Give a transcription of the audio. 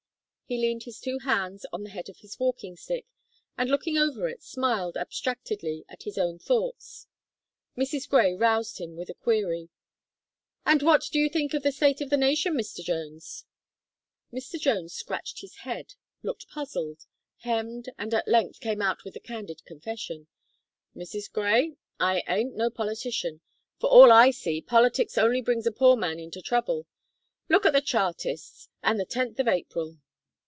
He leaned his two hands on the head of his walking stick, and looking over it, smiled abstractedly at his own thoughts. Mrs. Gray roused him with the query "And what do you think of the state of the nation, Mr. Jones?" Mr. Jones scratched his head, looked puzzled, hemmed, and at length came out with the candid confession: "Mrs. Gray, I ain't no politician. For all I see, politics only brings a poor man into trouble. Look at the Chartists, and the tenth of April."